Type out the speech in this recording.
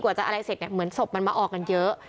กว่าจะอะไรเสร็จเหมือนศพมันมาออกกันเยอะ